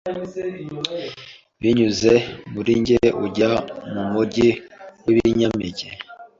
Binyuze muri njye ujya mumujyi wibinyampeke